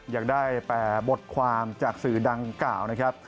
ยังได้แต่บทความจากสื่อดังกล่าวนะครับ